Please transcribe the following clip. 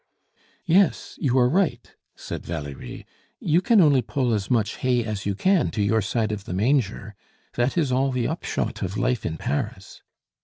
"Yes; you are right," said Valerie. "You can only pull as much hay as you can to your side of the manger. That is all the upshot of life in Paris."